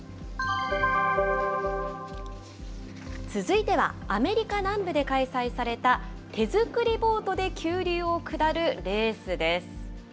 続いては、アメリカ南部で開催された手作りボートで急流を下るレースです。